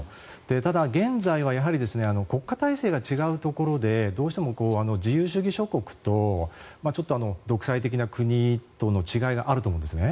ただ、現在はやはり国家体制が違うところでどうしても自由主義諸国と独裁的な国との違いがあると思うんですね。